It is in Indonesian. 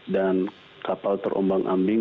dan kapal terombang ambing